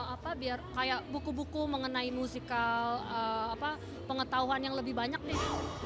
apa biar kayak buku buku mengenai musikal pengetahuan yang lebih banyak nih